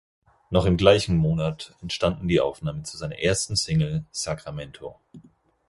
Noch im gleichen Monat entstanden die Aufnahmen zu seiner ersten Single "Sacramento".